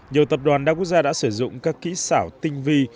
nhiều tập đoàn đa quốc gia đã sử dụng các kỹ xảo tinh vi